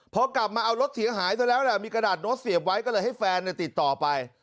พอกลับมาเอารถเสียหายซะแล้วมีกระดาษโน้ตเสียบไว้ก็เลยให้แฟนติดต่อไป